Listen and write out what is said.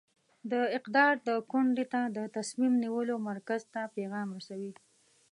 د اقدار د کونډې ته د تصمیم نیولو مرکز ته پیغام رسوي.